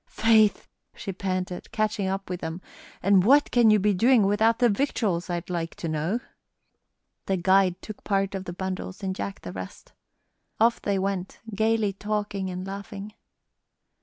"Faith!" she panted, catching up with them, "and what can you be doing without the victuals, I'd like to know?" The guide took part of the bundles and Jack the rest. Off they went gayly talking and laughing.